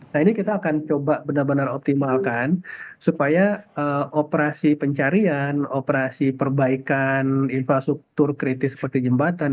nah ini kita akan coba benar benar optimalkan supaya operasi pencarian operasi perbaikan infrastruktur kritis seperti jembatan